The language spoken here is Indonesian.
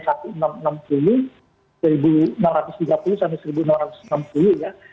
seribu enam ratus enam ratus tiga puluh sampai seribu enam ratus enam puluh ya